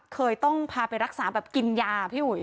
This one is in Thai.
เคยต้องพาไปรักษาแบบกินยาพี่อุ๋ย